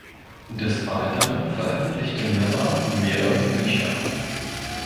Des Weiteren veröffentlichte Miller mehrere Bücher.